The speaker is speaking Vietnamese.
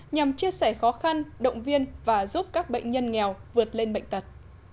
nhằm chia sẻ khó khăn động viên và giúp các bệnh nhân nghèo vượt lên bệnh tật